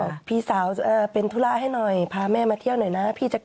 บอกพี่สาวเป็นธุระให้หน่อยพาแม่มาเที่ยวหน่อยนะ